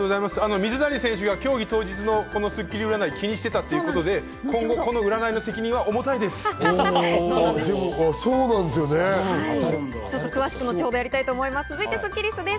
水谷選手は競技当日のスッキリ占い気にしていたということで今後、この占い続いてスッキりすです。